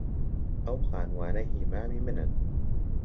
ئەو خانووانە هیی مامی منن.